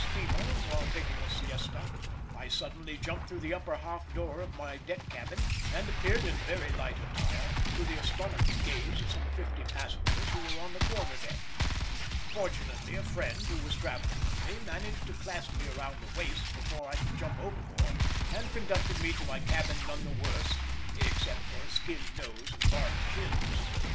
steamer, while taking a siesta, I suddenly jumped through the upper half door of my deck cabin and appeared in very light attire, to the astonished gaze of some fifty passengers who were on the quarter deck. Fortunately a friend who was travelling with me managed to clasp me round the waist before I could jump overboard, and conducted me to my cabin none the worse, except for a skinned nose and barked shins.